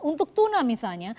untuk tuna misalnya